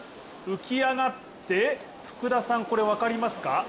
浮き上がって、福田さん、これ分かりますか？